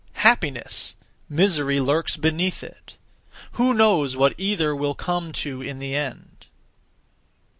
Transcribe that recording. Happiness! misery lurks beneath it! Who knows what either will come to in the end?